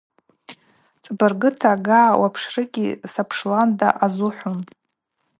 Цӏабыргыта, ага уапшрыгьи – Сапшланда – азухӏвун.